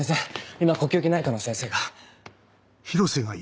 今呼吸器内科の先生が。